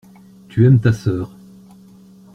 Tu aimes ta sœur.